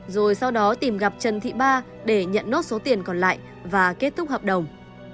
rồi sau đó tìm gặp trần thị ba để nhận nốt số tiền còn lại và kết thúc hợp đồng